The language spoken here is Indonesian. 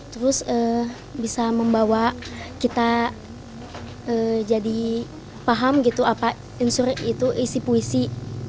terus bisa membawa kita jadi paham gitu apa itu isi puisi